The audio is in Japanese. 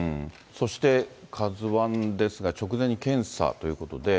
そしてカズワンですが、直前に検査ということで。